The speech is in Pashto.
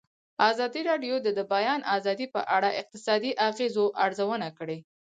ازادي راډیو د د بیان آزادي په اړه د اقتصادي اغېزو ارزونه کړې.